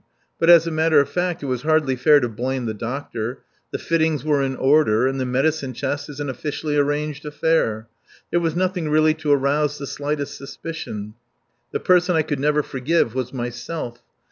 But, as a matter of fact, it was hardly fair to blame the doctor. The fittings were in order and the medicine chest is an officially arranged affair. There was nothing really to arouse the slightest suspicion. The person I could never forgive was myself.